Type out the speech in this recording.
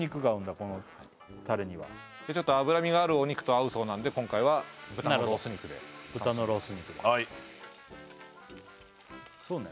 このタレにはちょっと脂身があるお肉と合うそうなんで今回は豚ロース肉でなるほど豚のロース肉でそうね